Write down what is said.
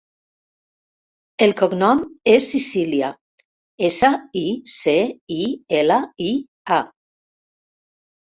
El cognom és Sicilia: essa, i, ce, i, ela, i, a.